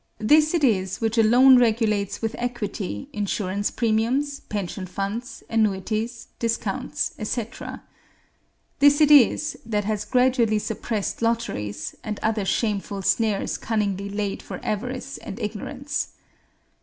This it is which alone regulates with equity insurance premiums, pension funds, annuities, discounts, etc. This it is that has gradually suppressed lotteries, and other shameful snares cunningly laid for avarice and ignorance.